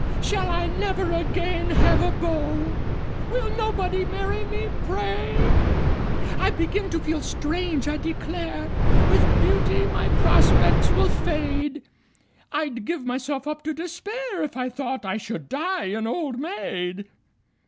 Shall I never again have a beau? Will nobody marry me, pray! I begin to feel strange, I declare! With beauty my prospects will fade I'd give myself up to despair If I thought I should die an old maid!